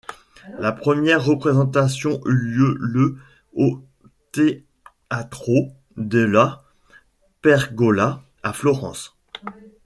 La première représentation eut lieu le au Teatro della Pergola à Florence.